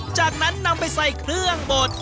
จากนั้นนำไปใส่เครื่องบด